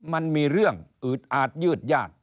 มันมีเรื่องอืดอาจยืดยาก